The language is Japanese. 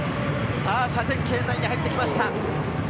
射程圏内に入ってきました。